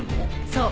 そう。